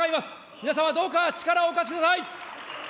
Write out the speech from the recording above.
皆様、どうか力をお貸しください。